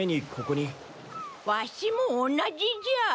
ワシも同じじゃ。